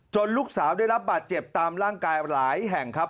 ลูกสาวได้รับบาดเจ็บตามร่างกายหลายแห่งครับ